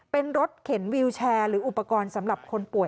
เป็นรถเข็นวิวแชร์หรืออุปกรณ์สำหรับคนป่วย